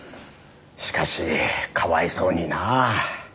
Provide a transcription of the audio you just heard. しかしかわいそうになぁ。